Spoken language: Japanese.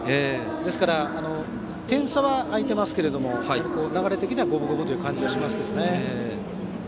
ですから、点差は開いていますが流れ的には五分五分という感じがしますね。